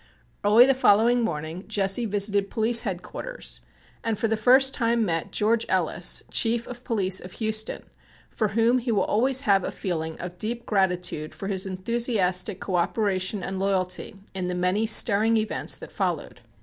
Early the following morning Jesse visited Police Head quarters and for the first time met George Ellis, Chief of Police of Houston, for whom he will always have a feeling of deep gratitude for his enthusiastic cooperation and loyalty in the many stirring events that followed.